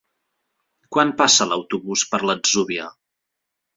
Quan passa l'autobús per l'Atzúbia?